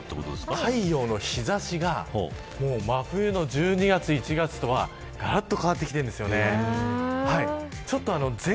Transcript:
太陽の日差しが真冬の１２月、１月とはがらっと変わってきているんです。